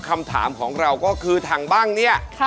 คำถามของเราก็คือถังบ้างเนี่ย